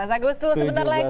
tujuh belas agustus sebentar lagi